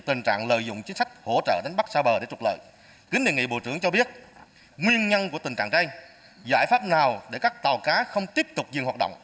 kính đề nghị bộ trưởng cho biết nguyên nhân của tình trạng cây giải pháp nào để các tàu cá không tiếp tục dừng hoạt động